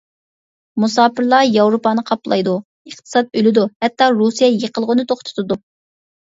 مۇساپىرلار ياۋروپانى قاپلايدۇ، ئىقتىساد ئۆلىدۇ، ھەتتا رۇسىيە يېقىلغۇنى توختىتىدۇ.